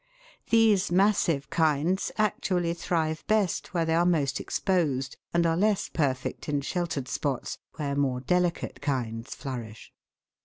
These massive kinds actually thrive best where they are most exposed, and are less perfect in sheltered spots, where more delicate kinds flourish.